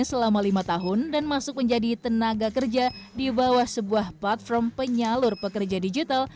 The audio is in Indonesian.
selama lima tahun dan masuk menjadi tenaga kerja di bawah sebuah platform penyalur pekerja digital